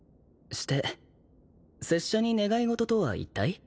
して拙者に願い事とはいったい？